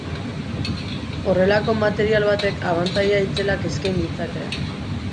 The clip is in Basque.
Horrelako material batek abantaila itzelak eskain ditzake.